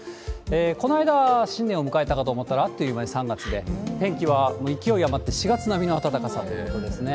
この間、新年を迎えたかと思ったら、あっという間に３月で、天気はもう勢いあまって４月並みの暖かさということですね。